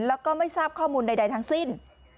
แล้วก็ไม่ทราบข้อมูลใดทั้งสิ้น